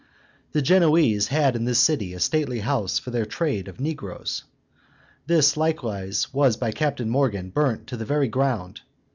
The Genoese had in this city a stately house for their trade of negroes. This likewise was by Captain Morgan burnt to the very ground.